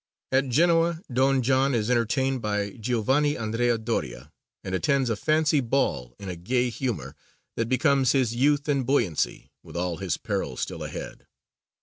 At Genoa Don John is entertained by G. Andrea Doria, and attends a fancy ball in a gay humour that becomes his youth and buoyancy with all his perils still ahead.